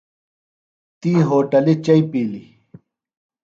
تی ہوٹلیۡ چئی پِیلیۡ۔